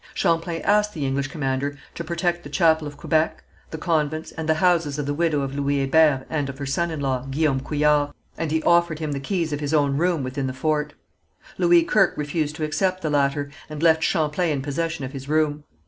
Champlain asked the English commander to protect the chapel of Quebec, the convents, and the houses of the widow of Louis Hébert and of her son in law, Guillaume Couillard, and he offered him the keys of his own room within the fort. Louis Kirke refused to accept the latter, and left Champlain in possession of his room.